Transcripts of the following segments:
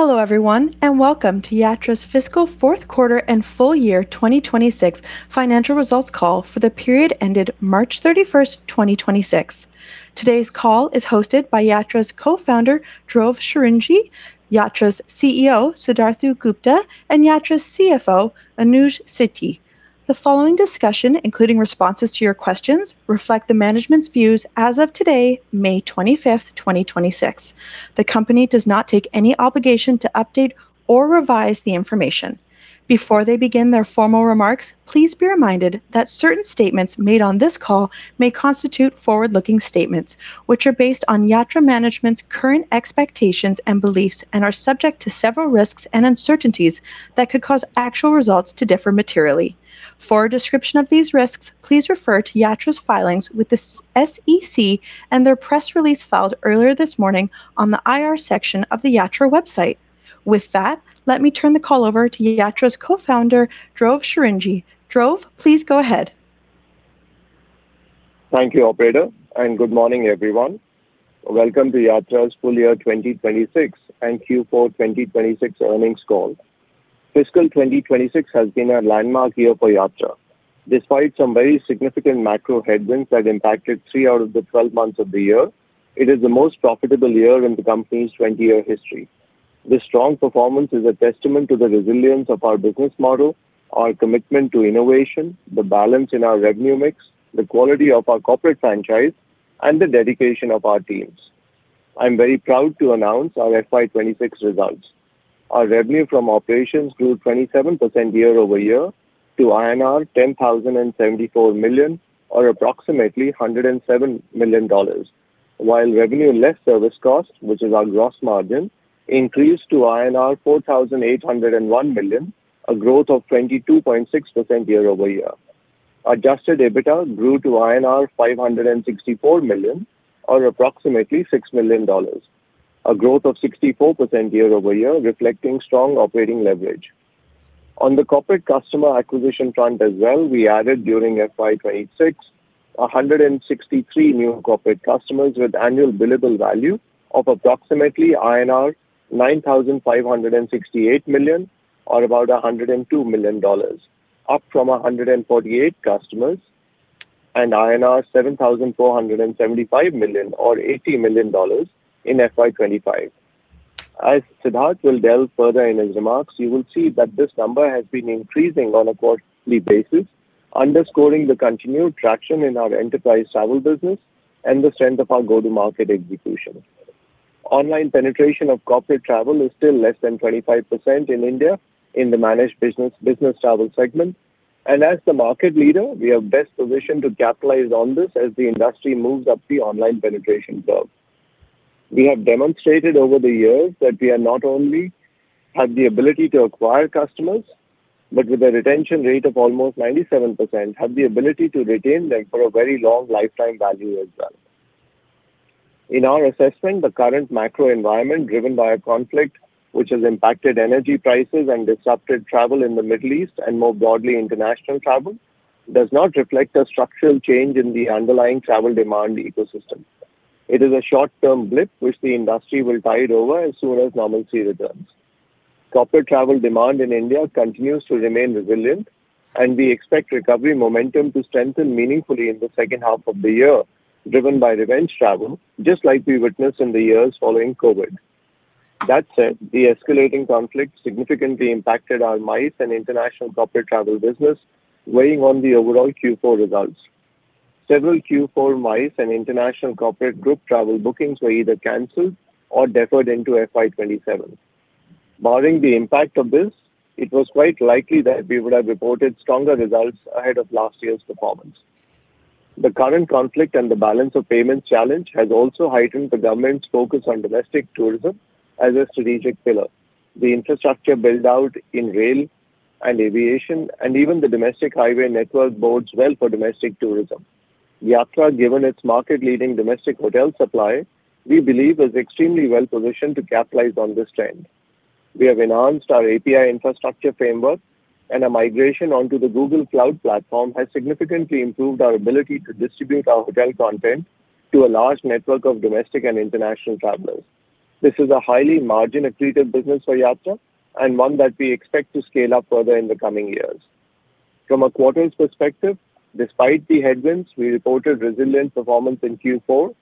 Hello everyone. Welcome to Yatra's fiscal fourth quarter and full year 2026 financial results call for the period ended March 31st, 2026. Today's call is hosted by Yatra's Co-Founder, Dhruv Shringi, Yatra's CEO, Siddharth Gupta, and Yatra's CFO, Anuj Sethi. The following discussion, including responses to your questions, reflect the management's views as of today, May 25th, 2026. The company does not take any obligation to update or revise the information. Before they begin their formal remarks, please be reminded that certain statements made on this call may constitute forward-looking statements, which are based on Yatra management's current expectations and beliefs and are subject to several risks and uncertainties that could cause actual results to differ materially. For a description of these risks, please refer to Yatra's filings with the SEC and their press release filed earlier this morning on the IR section of the Yatra website. With that, let me turn the call over to Yatra's Co-Founder, Dhruv Shringi. Dhruv, please go ahead. Thank you, operator, and good morning, everyone. Welcome to Yatra's full year 2026 and Q4 2026 earnings call. Fiscal 2026 has been a landmark year for Yatra. Despite some very significant macro headwinds that impacted three out of the 12 months of the year, it is the most profitable year in the company's 20-year history. This strong performance is a testament to the resilience of our business model, our commitment to innovation, the balance in our revenue mix, the quality of our corporate franchise, and the dedication of our teams. I'm very proud to announce our FY 2026 results. Our revenue from operations grew 27% year-over-year to INR 10,074 million or approximately $107 million. While revenue less service cost, which is our gross margin, increased to INR 4,801 million, a growth of 22.6% year-over-year. Adjusted EBITDA grew to INR 564 million, or approximately $6 million. A growth of 64% year-over-year, reflecting strong operating leverage. On the corporate customer acquisition front as well, we added during FY 2026, 163 new corporate customers with annual billable value of approximately INR 9,568 million, or about $102 million, up from 148 customers and INR 7,475 million, or $80 million, in FY 2025. As Siddharth will delve further in his remarks, you will see that this number has been increasing on a quarterly basis, underscoring the continued traction in our enterprise travel business and the strength of our go-to-market execution. Online penetration of corporate travel is still less than 25% in India in the managed business travel segment. As the market leader, we are best positioned to capitalize on this as the industry moves up the online penetration curve. We have demonstrated over the years that we not only have the ability to acquire customers, but with a retention rate of almost 97%, have the ability to retain them for a very long lifetime value as well. In our assessment, the current macro environment driven by a conflict which has impacted energy prices and disrupted travel in the Middle East and more broadly, international travel, does not reflect a structural change in the underlying travel demand ecosystem. It is a short-term blip which the industry will tide over as soon as normalcy returns. Corporate travel demand in India continues to remain resilient, and we expect recovery momentum to strengthen meaningfully in the second half of the year, driven by revenge travel, just like we witnessed in the years following COVID. That said, the escalating conflict significantly impacted our MICE and international corporate travel business, weighing on the overall Q4 results. Several Q4 MICE and international corporate group travel bookings were either canceled or deferred into FY 2027. Barring the impact of this, it was quite likely that we would have reported stronger results ahead of last year's performance. The current conflict and the balance of payments challenge has also heightened the government's focus on domestic tourism as a strategic pillar. The infrastructure build-out in rail and aviation, and even the domestic highway network bodes well for domestic tourism. Yatra, given its market-leading domestic hotel supply, we believe is extremely well-positioned to capitalize on this trend. We have enhanced our API infrastructure framework, and a migration onto the Google Cloud platform has significantly improved our ability to distribute our hotel content to a large network of domestic and international travelers. This is a highly margin accretive business for Yatra and one that we expect to scale up further in the coming years. From a quarters perspective, despite the headwinds, we reported resilient performance in Q4,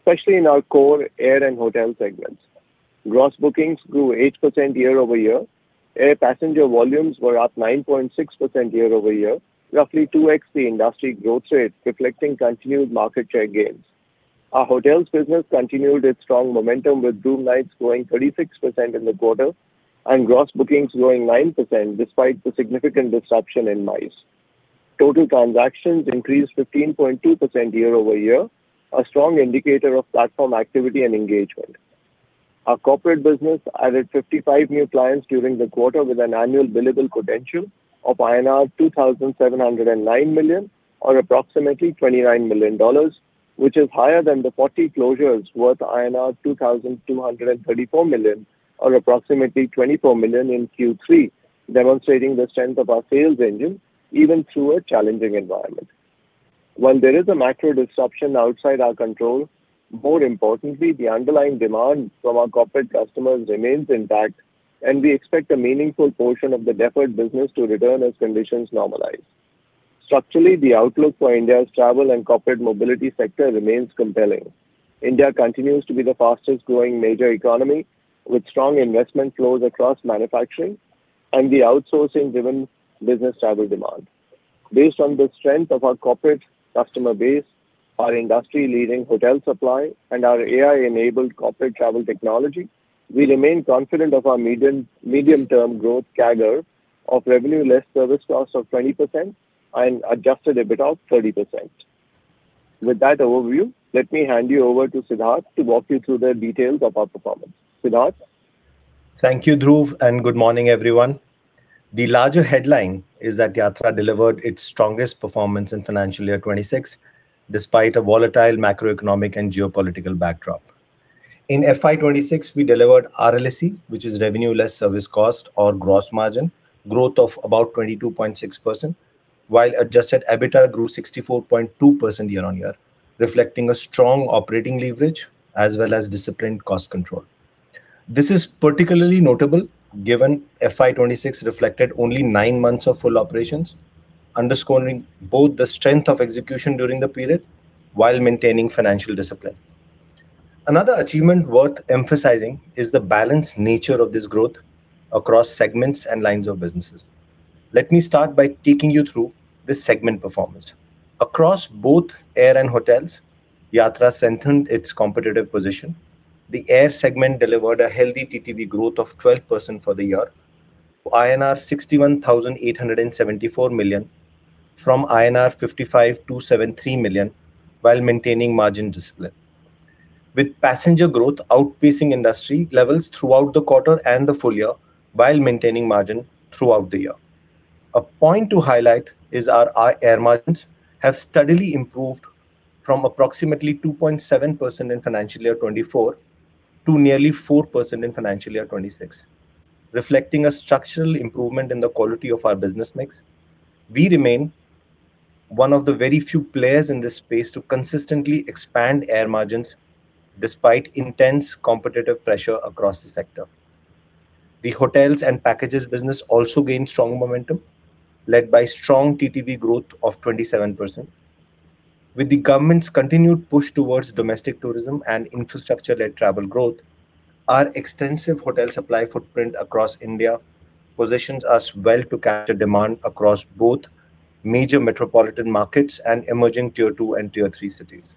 especially in our core Air and Hotel segments. Gross bookings grew 8% year-over-year. Air passenger volumes were up 9.6% year-over-year, roughly 2x the industry growth rate, reflecting continued market share gains. Our hotels business continued its strong momentum with room nights growing 36% in the quarter and gross bookings growing 9% despite the significant disruption in MICE. Total transactions increased 15.2% year-over-year, a strong indicator of platform activity and engagement. Our corporate business added 55 new clients during the quarter with an annual billable potential of INR 2,709 million or approximately $29 million, which is higher than the 40 closures worth INR 2,234 million or approximately $24 million in Q3, demonstrating the strength of our sales engine even through a challenging environment. When there is a macro disruption outside our control, more importantly, the underlying demand from our corporate customers remains intact, and we expect a meaningful portion of the deferred business to return as conditions normalize. Structurally, the outlook for India's travel and corporate mobility sector remains compelling. India continues to be the fastest-growing major economy, with strong investment flows across manufacturing and the outsourcing-driven business travel demand. Based on the strength of our corporate customer base, our industry-leading hotel supply, and our AI-enabled corporate travel technology, we remain confident of our medium-term growth CAGR of revenue less service costs of 20% and adjusted EBITDA of 30%. With that overview, let me hand you over to Siddharth to walk you through the details of our performance. Siddharth? Thank you, Dhruv. Good morning, everyone. The larger headline is that Yatra delivered its strongest performance in FY 2026, despite a volatile macroeconomic and geopolitical backdrop. In FY 2026, we delivered RLSE, which is revenue less service cost or gross margin growth of about 22.6%, while adjusted EBITDA grew 64.2% year-over-year, reflecting a strong operating leverage as well as disciplined cost control. This is particularly notable given FY 2026 reflected only nine months of full operations, underscoring both the strength of execution during the period while maintaining financial discipline. Another achievement worth emphasizing is the balanced nature of this growth across segments and lines of businesses. Let me start by taking you through the segment performance. Across both Air and Hotels, Yatra cemented its competitive position. The Air segment delivered a healthy TTV growth of 12% for the year to INR 61,874 million from INR 55,273 million, while maintaining margin discipline. With passenger growth outpacing industry levels throughout the quarter and the full year, while maintaining margin throughout the year. A point to highlight is our Air margins have steadily improved from approximately 2.7% in financial year 2024 to nearly 4% in financial year 2026, reflecting a structural improvement in the quality of our business mix. We remain one of the very few players in this space to consistently expand Air margins despite intense competitive pressure across the sector. The Hotels and Packages business also gained strong momentum, led by strong TTV growth of 27%. With the government's continued push towards domestic tourism and infrastructure-led travel growth, our extensive hotel supply footprint across India positions us well to capture demand across both major metropolitan markets and emerging Tier 2 and Tier 3 cities.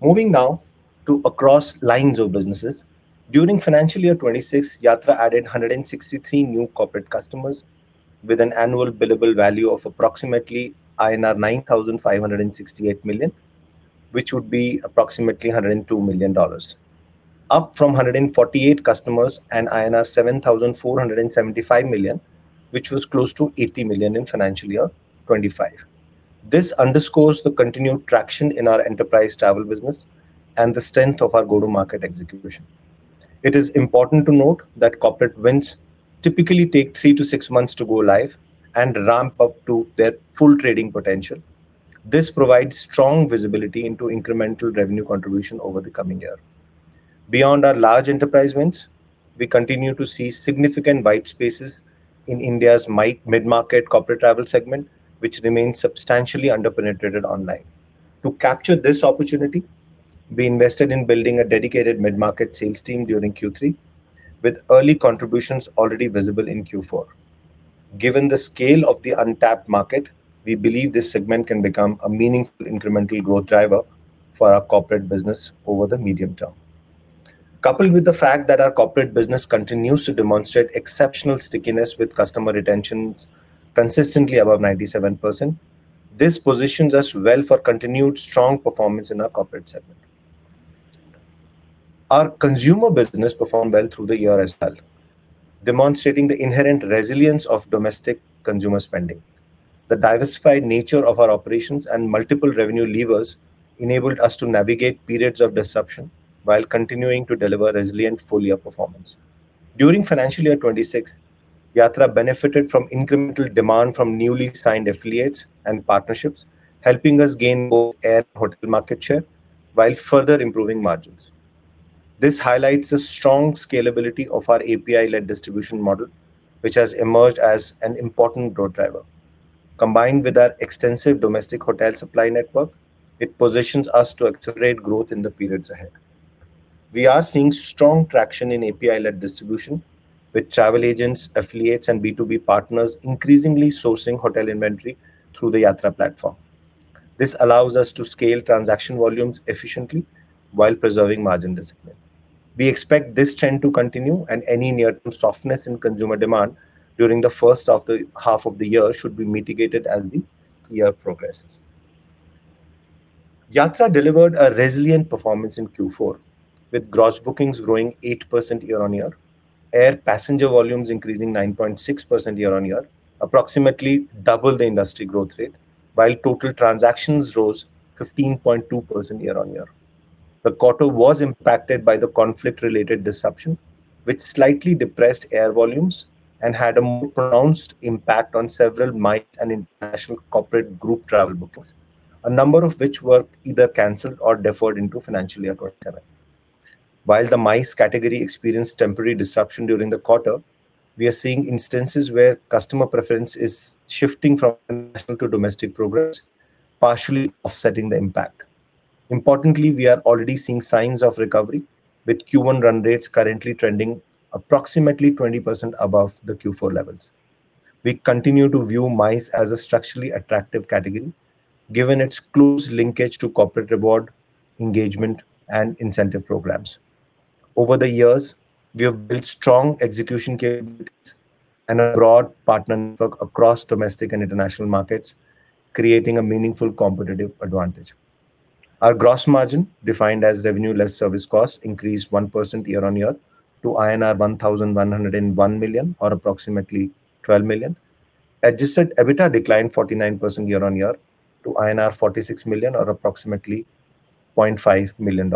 Moving now to across lines of businesses. During financial year 2026, Yatra added 163 new corporate customers with an annual billable value of approximately INR 9,568 million, which would be approximately $102 million, up from 148 customers and INR 7,475 million, which was close to 80 million in financial year 2025. This underscores the continued traction in our enterprise travel business and the strength of our go-to-market execution. It is important to note that corporate wins typically take three to six months to go live and ramp-up to their full trading potential. This provides strong visibility into incremental revenue contribution over the coming year. Beyond our large enterprise wins, we continue to see significant white spaces in India's mid-market corporate travel segment, which remains substantially under-penetrated online. To capture this opportunity, we invested in building a dedicated mid-market sales team during Q3, with early contributions already visible in Q4. Given the scale of the untapped market, we believe this segment can become a meaningful incremental growth driver for our corporate business over the medium term. Coupled with the fact that our corporate business continues to demonstrate exceptional stickiness with customer retentions consistently above 97%, this positions us well for continued strong performance in our corporate segment. Our consumer business performed well through the year as well, demonstrating the inherent resilience of domestic consumer spending. The diversified nature of our operations and multiple revenue levers enabled us to navigate periods of disruption while continuing to deliver resilient full-year performance. During FY 2026, Yatra benefited from incremental demand from newly signed affiliates and partnerships, helping us gain both Air and Hotel market share while further improving margins. This highlights the strong scalability of our API-led distribution model, which has emerged as an important growth driver. Combined with our extensive domestic hotel supply network, it positions us to accelerate growth in the periods ahead. We are seeing strong traction in API-led distribution, with travel agents, affiliates, and B2B partners increasingly sourcing hotel inventory through the Yatra platform. This allows us to scale transaction volumes efficiently while preserving margin discipline. We expect this trend to continue, and any near-term softness in consumer demand during the first half of the year should be mitigated as the year progresses. Yatra delivered a resilient performance in Q4, with gross bookings growing 8% year-on-year, air passenger volumes increasing 9.6% year-on-year, approximately double the industry growth rate, while total transactions rose 15.2% year-on-year. The quarter was impacted by the conflict-related disruption, which slightly depressed air volumes and had a more pronounced impact on several MICE and international corporate group travel bookings, a number of which were either canceled or deferred into FY 2027. While the MICE category experienced temporary disruption during the quarter, we are seeing instances where customer preference is shifting from international to domestic programs, partially offsetting the impact. Importantly, we are already seeing signs of recovery, with Q1 run rates currently trending approximately 20% above the Q4 levels. We continue to view MICE as a structurally attractive category, given its close linkage to corporate reward, engagement, and incentive programs. Over the years, we have built strong execution capabilities and a broad partner network across domestic and international markets, creating a meaningful competitive advantage. Our gross margin, defined as revenue less service cost, increased 1% year-on-year to INR 1,101 million or approximately $12 million. Adjusted EBITDA declined 49% year-on-year to INR 46 million or approximately $0.5 million.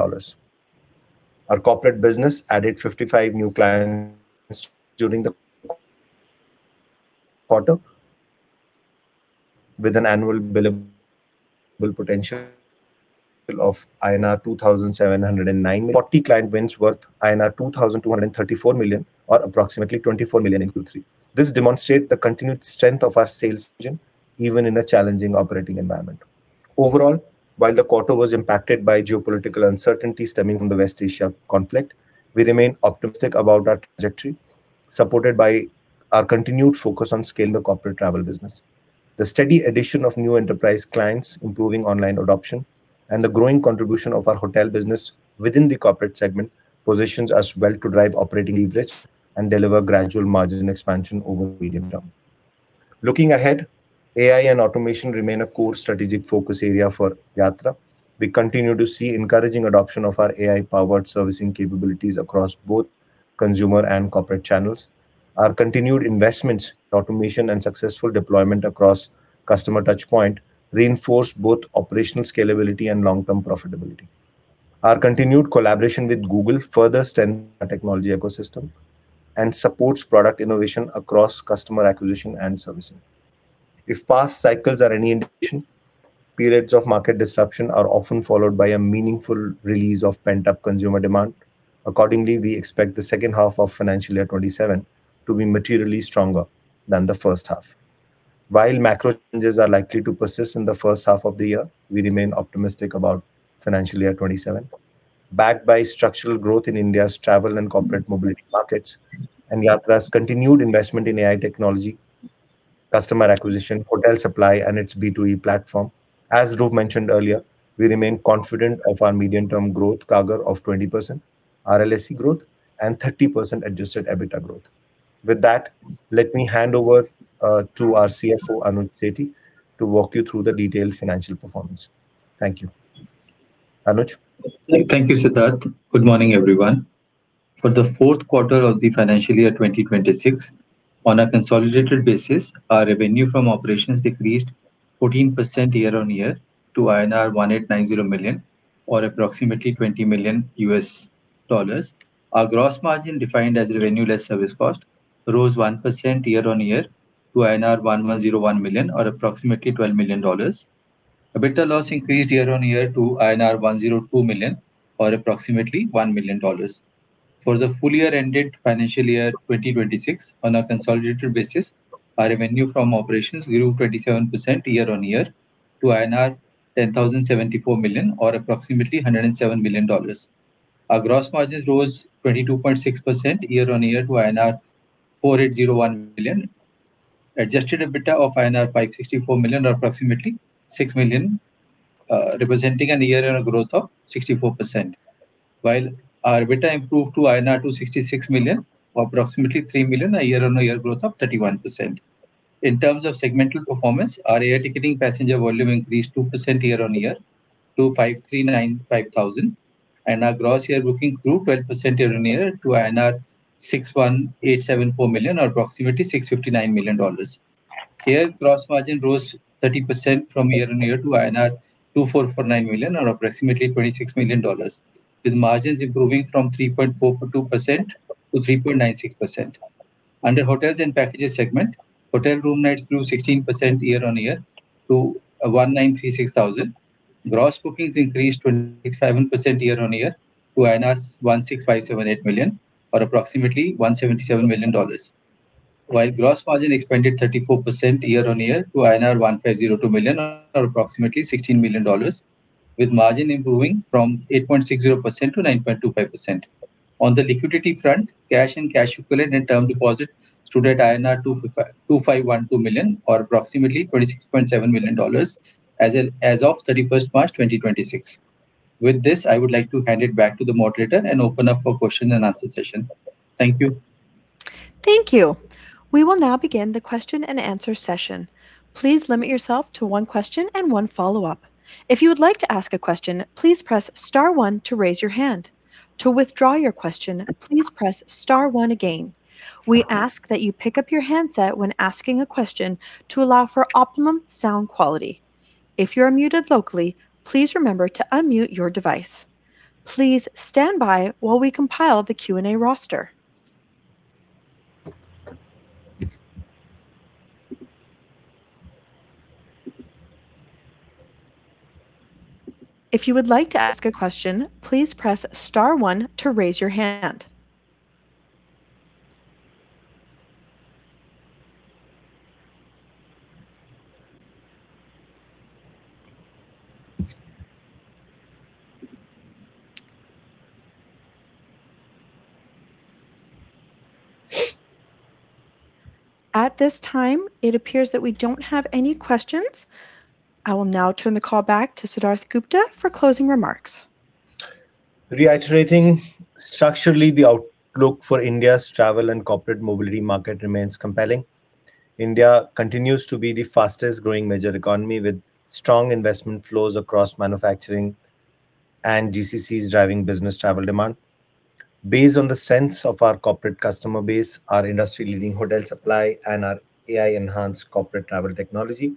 Our corporate business added 55 new clients during the quarter with an annual billable potential of INR 2,790 million worth INR 2,234 million or approximately $24 million in Q3. This demonstrates the continued strength of our sales engine even in a challenging operating environment. Overall, while the quarter was impacted by geopolitical uncertainty stemming from the West Asia conflict, we remain optimistic about our trajectory, supported by our continued focus on scaling the corporate travel business. The steady addition of new enterprise clients improving online adoption and the growing contribution of our hotel business within the corporate segment positions us well to drive operating leverage and deliver gradual margin expansion over medium term. Looking ahead, AI and automation remain a core strategic focus area for Yatra. We continue to see encouraging adoption of our AI-powered servicing capabilities across both consumer and corporate channels. Our continued investments in automation and successful deployment across customer touchpoint reinforce both operational scalability and long-term profitability. Our continued collaboration with Google further strengthens our technology ecosystem and supports product innovation across customer acquisition and servicing. If past cycles are any indication, periods of market disruption are often followed by a meaningful release of pent-up consumer demand. Accordingly, we expect the second half of financial year 2027 to be materially stronger than the first half. While macro challenges are likely to persist in the first half of the year, we remain optimistic about financial year 2027, backed by structural growth in India's travel and corporate mobility markets and Yatra's continued investment in AI technology, customer acquisition, hotel supply, and its B2B platform. As Dhruv mentioned earlier, we remain confident of our medium-term growth CAGR of 20% RLSE growth and 30% adjusted EBITDA growth. With that, let me hand over to our CFO, Anuj Sethi, to walk you through the detailed financial performance. Thank you. Anuj. Thank you, Siddharth. Good morning, everyone. For the fourth quarter of the financial year 2026, on a consolidated basis, our revenue from operations decreased 14% year-on-year to INR 1,890 million or approximately $20 million. Our gross margin, defined as revenue less service cost, rose 1% year-on-year to INR 1,101 million or approximately $12 million. EBITDA loss increased year-on-year to INR 102 million or approximately $1 million. For the full year ended financial year 2026, on a consolidated basis, our revenue from operations grew 27% year-on-year to INR 10,074 million or approximately $107 million. Our gross margin rose 22.6% year-on-year to INR 4,801 million. Adjusted EBITDA of INR 564 million or approximately $6 million, representing a year-over-year growth of 64%, while our EBITDA improved to 266 million INR or approximately $3 million, a year-on-year growth of 31%. In terms of segmental performance, our Air ticketing passenger volume increased 2% year-on-year to 5,395,000 and our gross air bookings grew 12% year-on-year to 61,874 million or approximately $659 million. Here, gross margin rose 30% from year-on-year to INR 2,449 million or approximately $26 million, with margins improving from 3.4%-3.96%. Under Hotels and Packages segment, hotel room nights grew 16% year-on-year to 193,600. Gross bookings increased 27% year-on-year to INR 1,658 million or approximately $177 million. While gross margin expanded 34% year-on-year to INR 1,052 million or approximately $16 million, with margin improving from 8.06%-9.25%. On the liquidity front, cash and cash equivalent and term deposits stood at INR 2,512 million or approximately $26.7 million as of 31st March 2026. With this, I would like to hand it back to the moderator and open up for question-and-answer session. Thank you. Thank you. We will now begin the question and answer session. Please limit yourself to one question and one follow-up. If you would like to ask a question, please press star one to raise your hand. To withdraw your question, please press star one again. We ask that you pick up your handset when asking a question to allow for optimum sound quality. If you're muted locally, please remember to unmute your device. If you would like to ask a question, please press star one to raise your hand. At this time, it appears that we don't have any questions. I will now turn the call back to Siddharth Gupta for closing remarks. Reiterating structurally the outlook for India's travel and corporate mobility market remains compelling. India continues to be the fastest-growing major economy with strong investment flows across manufacturing and GCCs driving business travel demand. Based on the sense of our corporate customer base, our industry-leading hotel supply, and our AI-enhanced corporate travel technology,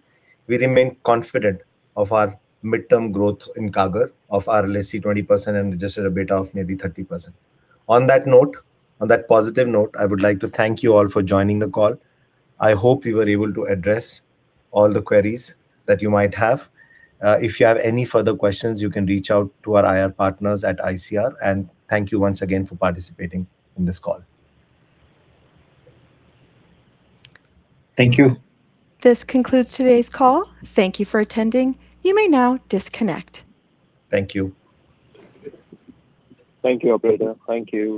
we remain confident of our midterm growth in CAGR of RLSE 20% and adjusted EBITDA of maybe 30%. On that positive note, I would like to thank you all for joining the call. I hope we were able to address all the queries that you might have. If you have any further questions, you can reach out to our IR partners at ICR. Thank you once again for participating in this call. Thank you. This concludes today's call. Thank you for attending. You may now disconnect. Thank you. Thank you, Operator. Thank you.